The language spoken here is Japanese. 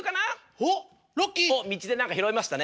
おっ道で何か拾いましたね。